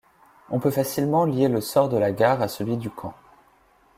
On peut facilement lier le sort de la gare à celui du camp.